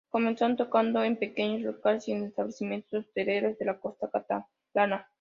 Comenzaron tocando en pequeños locales y en establecimientos hosteleros de la costa catalana.